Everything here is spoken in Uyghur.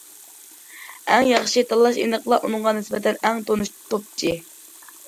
ئەڭ ياخشى تاللاش ئېنىقلا ئۇنىڭغا نىسبەتەن ئەڭ تونۇش توپچى.